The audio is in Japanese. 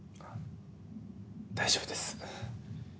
大丈夫です。